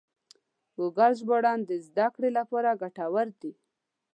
ګوګل ژباړن د زده کړې لپاره ګټور دی.